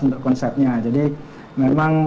untuk konsepnya jadi memang